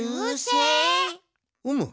うむ。